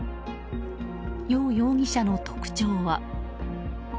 ヨウ容疑者の特徴は。